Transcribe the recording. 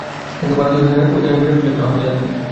কিন্তু ভারতের অধিনায়ক বিরাট কোহলি তা হতে দেননি।